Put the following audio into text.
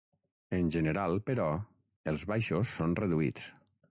En general, però, els baixos són reduïts.